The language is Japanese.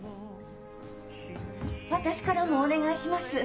私からもお願いします。